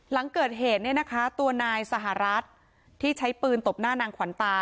หลังเกิดเหตุเนี่ยนะคะตัวนายสหรัฐที่ใช้ปืนตบหน้านางขวัญตา